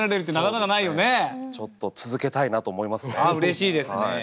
うれしいですね。